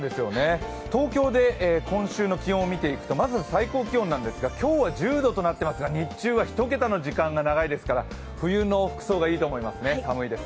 東京で今週の気温を見ていくとまず最高気温なんですが今日は１０度となっていますが、日中は１桁の時間が長いですから冬の服装がいいと思います寒いです。